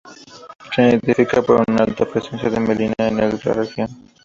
Se identifica por una alta presencia de mielina en la región.